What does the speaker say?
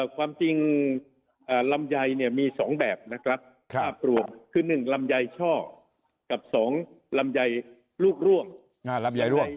ความจริงลำไยเนี่ยมีสองแบบนะครับคือหนึ่งลำไยช่อกับสองลำไยลูกร่วม